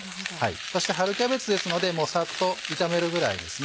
そして春キャベツですのでサッと炒めるぐらいですね。